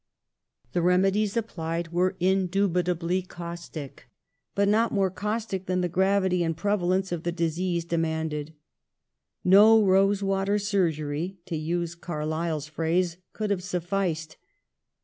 The remedies applied were indubitably caustic ; but not more caustic than the gravity and prevalence of the disease demanded. No " rose water surgery " (to use Carlyle's phrase) could have sufficed.